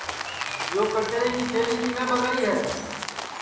یو کچرے کی تھلی کِنے ٻگائی ہے